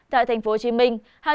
tại thành phố hồ chí minh